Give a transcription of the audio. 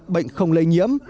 bệnh không lây nhiễm